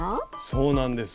そうなんです。